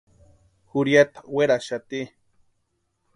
Jurhiata werhaxati.